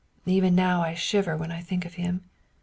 Even now I shiver when I think of him.